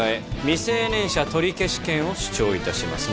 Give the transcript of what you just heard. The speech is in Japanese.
未成年者取消権を主張いたします